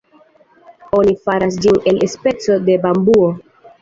Oni faras ĝin el speco de bambuo.